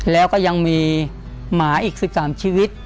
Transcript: แล้วก็ยังมีหมาอีก๑๓ชีวิต